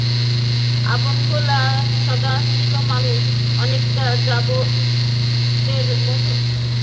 আপনভোলা সদাশিব মানুষ, অনেকটা যাদবের মতো!